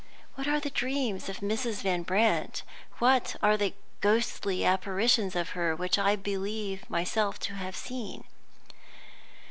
What are the dreams of Mrs. Van Brandt? What are the ghostly apparitions of her which I believe myself to have seen?